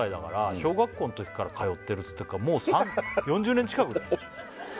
小学校のときから通ってるつってるからもう４０年近くだよ